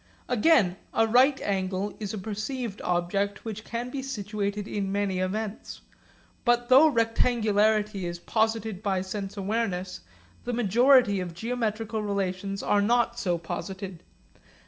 Again a right angle is a perceived object which can be situated in many events; but, though rectangularity is posited by sense awareness, the majority of geometrical relations are not so posited.